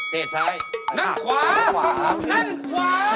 เทขวาคุณนั่นควะ